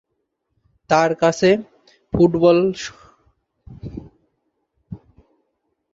তাঁর কাছে, ফুটবলের সরল নৈতিকতা এবং গীর্জা ও রাষ্ট্রের মত কর্তৃপক্ষের দ্বারা আরোপিত জটিল নৈতিকতার মধ্যে একটা বিরোধ বর্তমান।